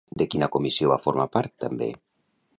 De quina comissió va formar part també?